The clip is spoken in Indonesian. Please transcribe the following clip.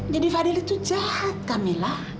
jadi fadil itu jahat kamila